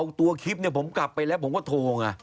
อ้าวตัวคลิปนี่ผมกลับไปแล้วผมก็โธง